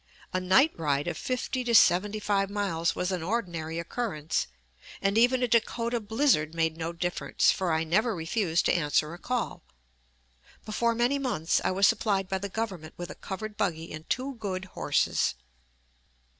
A night ride of fifty to seventy five miles was an ordinary occurrence; and even a Dakota blizzard made no difference, for I never refused to answer a call. Before many months I was supplied by the Government with a covered buggy and two good horses.